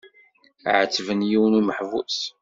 Ɛettben yiwen umeḥbus.